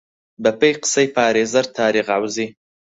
بە پێی قسەی پارێزەر تاریق عەوزی